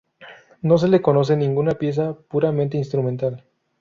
No se le conoce ninguna pieza puramente instrumental.